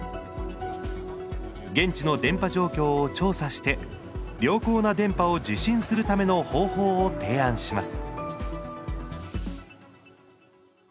現地の電波状況を調査して良好な電波を受信するための方法を提案します。